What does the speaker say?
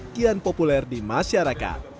kian populer di masyarakat